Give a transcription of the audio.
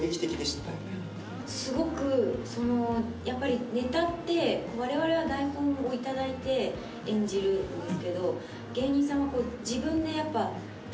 すごくやっぱりネタってわれわれは台本を頂いて演じるんですけど芸人さんは自分でやっぱつくって。